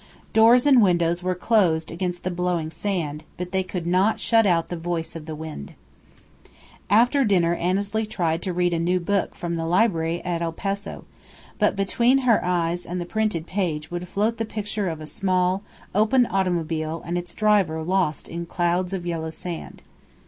Doors and windows were closed against the blowing sand, but they could not shut out the voice of the wind. After dinner Annesley tried to read a new book from the library at El Paso, but between her eyes and the printed page would float the picture of a small, open automobile and its driver lost in clouds of yellow sand.